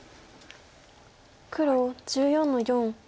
黒１４の四オシ。